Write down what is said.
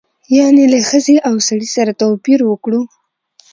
یعنې له ښځې او سړي سره توپیر وکړو.